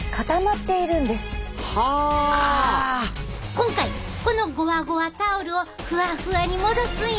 今回このゴワゴワタオルをふわふわに戻すんやで！